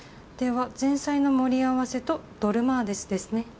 では前菜の盛り合わせとドルマーデスですね。